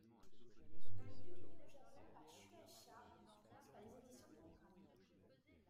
Il est publié au Japon par Shūeisha et en France par les éditions Tonkam.